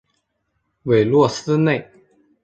韦洛斯内。